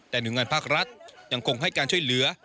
แต่หน่วยงานภาครัฐยังคงให้การช่วยเหลือ